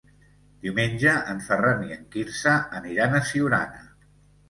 Diumenge en Ferran i en Quirze aniran a Siurana.